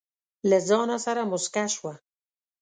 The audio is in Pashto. له ځانه سره موسکه شوه.